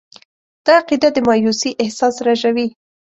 دا عقیده د مایوسي احساس رژوي.